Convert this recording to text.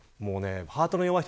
ハートの弱い人